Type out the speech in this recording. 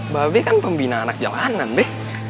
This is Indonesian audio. mba be kan pembina anak jalanan be